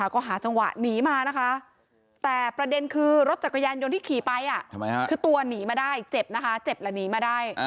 ก็หาจังหวะหนีมานะคะแต่ประเด็นคือรถจักรยานยนต์ที่ขี่ไปคือตัวหนีมาได้เจ็บนะคะเจ็บและหนีมาได้